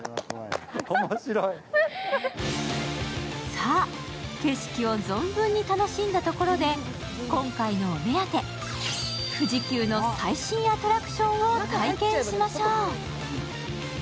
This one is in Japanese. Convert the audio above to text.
さあ、景色を存分に楽しんだところで、今回のお目当て、富士急の最新アトラクションを体験しましょう。